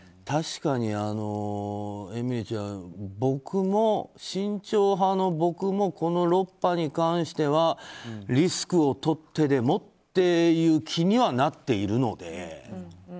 確かに、えみりちゃん慎重派の僕もこの６波に関してはリスクを取ってでもっていう気にはなっているので。